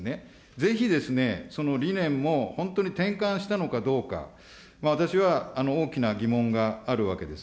ぜひですね、その理念も本当に転換したのかどうか、私は大きな疑問があるわけです。